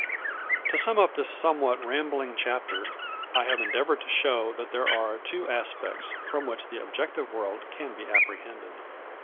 To sum up this somewhat rambling chapter, I have endeavoured to show that there are two aspects from which the objective world can be apprehended.